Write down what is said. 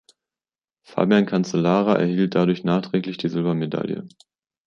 Fabian Cancellara erhielt dadurch nachträglich die Silbermedaille.